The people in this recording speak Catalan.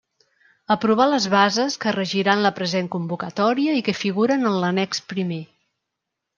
Aprovar les bases que regiran la present convocatòria i que figuren en l'annex primer.